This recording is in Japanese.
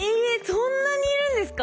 そんなにいるんですか？